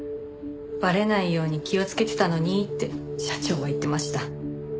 バレないように気をつけてたのにって社長は言ってました。